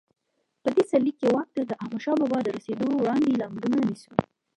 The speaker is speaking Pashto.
په دې سرلیک کې واک ته د احمدشاه بابا د رسېدو وړاندې لاملونه نیسو.